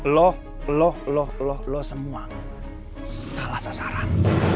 lo lo lo lo lo semua salah sasaran